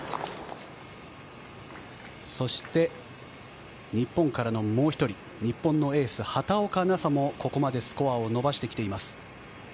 そして、日本からのもう１人日本のエース、畑岡奈紗もここまでスコアを伸ばしてきています。